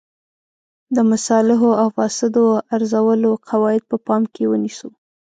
د مصالحو او مفاسدو ارزولو قواعد په پام کې ونیسو.